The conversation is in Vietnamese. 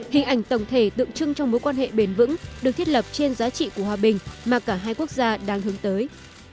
hình ảnh tổng thể tượng trưng trong mối quan hệ bền vững được thiết lập trên giá trị của hòa bình mà cả hai quốc gia đang hướng tới